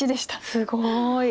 すごい！